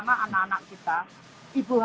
jangan berkata bahwa kita tidak berkata